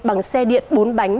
bằng xe điện bốn bánh